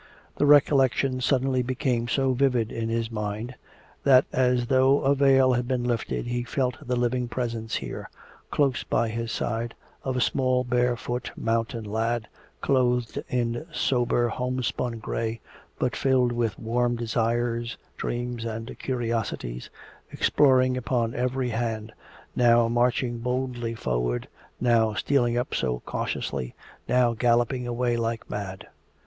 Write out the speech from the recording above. The recollection suddenly became so vivid in his mind, that as though a veil had been lifted he felt the living presence here, close by his side, of a small barefoot mountain lad, clothed in sober homespun gray, but filled with warm desires, dreams and curiosities, exploring upon every hand, now marching boldly forward, now stealing up so cautiously, now galloping away like mad!